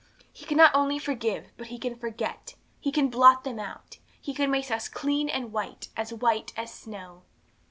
He can not only forgive, but He can forget. He can blot them out. He can make us clean and white, as white as snow.